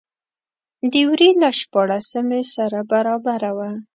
د وري له شپاړلسمې سره برابره وه.